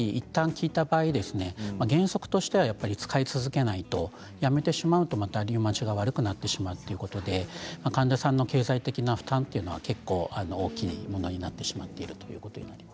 ただ原則としては使い続けないとやめてしまうとリウマチが悪くなってしまうということで患者さんの経済的な負担というのは結構大きいものになってしまっているということです。